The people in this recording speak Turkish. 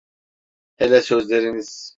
Hele sözleriniz…